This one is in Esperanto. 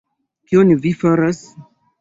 kion vi faras?